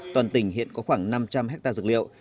toàn tỉnh hiện có khoảng năm trăm linh hectare dược liệu